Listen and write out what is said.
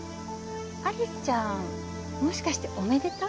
有栖ちゃんもしかしておめでた？